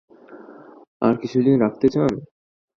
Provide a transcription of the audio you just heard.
আরো কিছুদিন রাখতে চান?